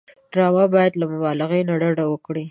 ډرامه باید له مبالغې ډډه وکړي